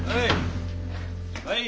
はい！